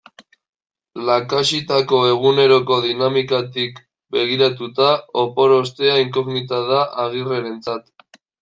Lakaxitako eguneroko dinamikatik begiratuta, opor ostea inkognita da Agirrerentzat.